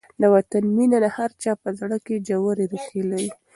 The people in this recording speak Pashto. د وطن مینه د هر چا په زړه کې ژورې ریښې لري.